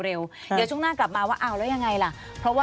เดี๋ยวช่วงหน้ากลับมาว่าเอาแล้วยังไงล่ะ